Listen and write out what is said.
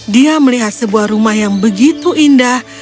dia melihat sebuah rumah yang begitu indah